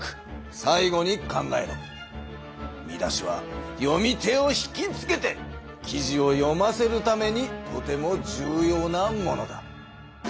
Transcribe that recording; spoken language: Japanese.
見出しは読み手を引きつけて記事を読ませるためにとても重要なものだ。